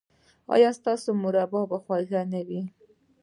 ایا ستاسو مربا به خوږه نه وي؟